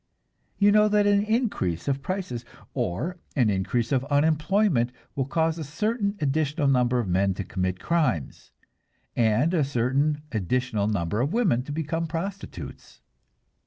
You know that an increase of prices or an increase of unemployment will cause a certain additional number of men to commit crimes, and a certain additional number of women to become prostitutes.